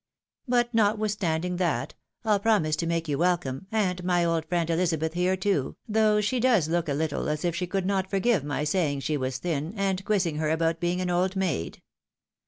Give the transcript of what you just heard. But, notwithstanding that, I'U promise to make you welcome, and my old friend Elizabeth here, too, though she does look a httle as if she could not forgive my saying she was thin, and quizzing her about being an old maid.